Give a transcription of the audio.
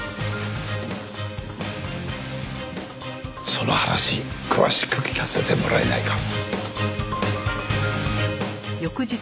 その話詳しく聞かせてもらえないか？